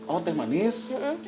oh teh manis